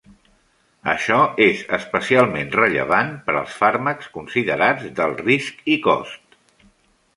Això és especialment rellevant per als fàrmacs considerats d'alt risc i cost.